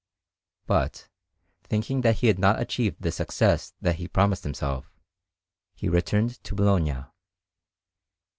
But, thinking that he had not achieved the success that he had promised himself, he returned to Bologna.